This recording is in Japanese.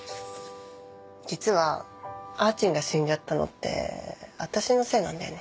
実はあーちんが死んじゃったのって私のせいなんだよね。